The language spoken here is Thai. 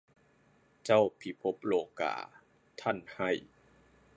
เจ้าพิภพโลกา ท่านให้